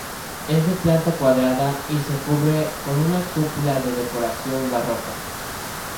Es de planta cuadrada y se cubre con una cúpula de decoración barroca.